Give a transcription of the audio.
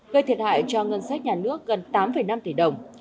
gây thiệt hại cho ngân sách nhà nước gần tám năm tỷ đồng